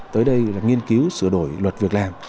tới đây là nghiên cứu sửa đổi luật việc làm